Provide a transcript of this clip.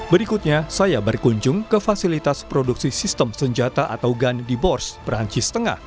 berikutnya saya berkunjung ke fasilitas produksi sistem senjata atau gun di bors perancis tengah